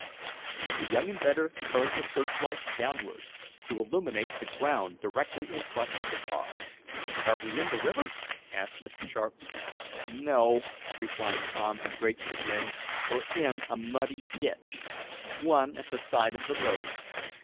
The young inventor turned the searchlight downward, to illuminate the ground directly in front of the car. "Are we in the river?" asked Mr. Sharp. "No," replied Tom in great chagrin. "We're in a muddy ditch. One at the side of the road.